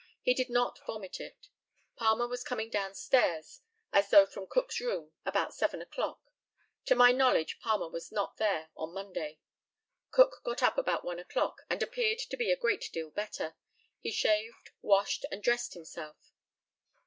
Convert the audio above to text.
He did not vomit it. Palmer was coming down stairs, as though from Cook's room, about 7 o'clock. To my knowledge Palmer was not there, on Monday. Cook got up about 1 o'clock, and appeared to be a great deal better. He shaved, washed, and dressed himself.